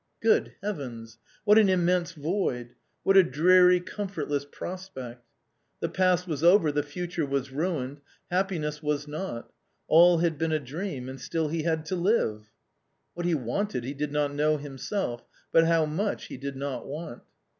Good Heavens ! what an immense void ! what a dreary comfortless prospect 1 The past was over, the future was ruined, happiness was not ; all had been a dream, and still he had to live ! What he wanted he did not know himself; but how much he did not want